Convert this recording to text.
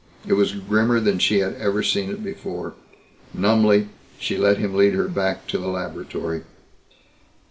It was grimmer than she had ever seen it before. Numbly she let him lead her back to the laboratory.